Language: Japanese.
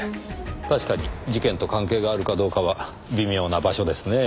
確かに事件と関係があるかどうかは微妙な場所ですねぇ。